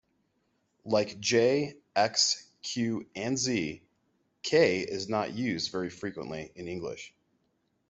Like J, X, Q, and Z, K is not used very frequently in English.